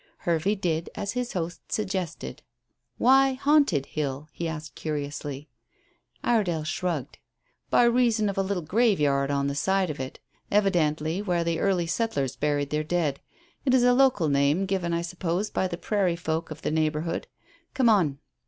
Hervey did as his host suggested. "Why 'Haunted Hill'?" he asked curiously. Iredale shrugged. "By reason of a little graveyard on the side of it. Evidently where the early settlers buried their dead. It is a local name given, I suppose, by the prairie folk of your neighbourhood. Come on."